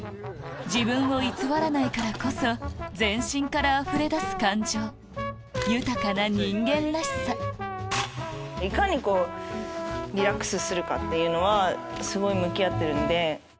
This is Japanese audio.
自分を偽らないからこそ全身からあふれ出す感情豊かな人間らしさいかにリラックスするかというのはすごい向き合ってるので。